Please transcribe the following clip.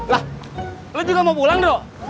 lah lu juga mau pulang dong